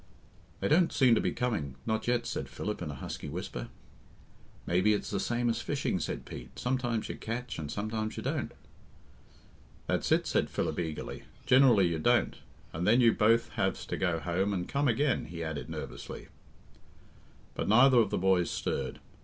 "They don't seem to be coming not yet," said Philip, in a husky whisper. "Maybe it's the same as fishing," said Pete; "sometimes you catch and sometimes you don't." "That's it," said Philip eagerly, "generally you don't and then you both haves to go home and come again," he added nervously. But neither of the boys stirred.